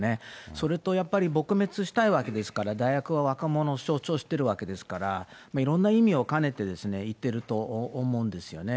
それとやっぱり撲滅したいわけですから、大学は若者を象徴してるわけですから、いろんな意味を兼ねていってると思うんですよね。